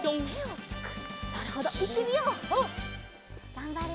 がんばれ。